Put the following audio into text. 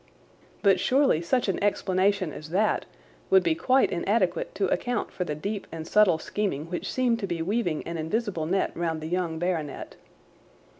But surely such an explanation as that would be quite inadequate to account for the deep and subtle scheming which seemed to be weaving an invisible net round the young baronet.